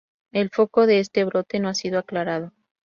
El foco de este brote no ha sido aclarado.